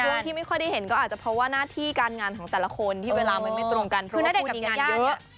ที่ไม่ค่อยได้เห็นก็อาจจะเพราะว่าหน้าที่การงานของแต่ละคนที่เวลามันไม่ตรงกันเพราะว่าคู่นี้งานเยอะ